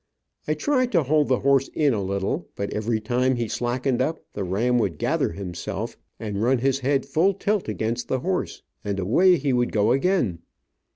I tried to hold the horse in a little, but every time he slackened up the ram would gather himself and run his head full tilt against the horse, and away he would go again.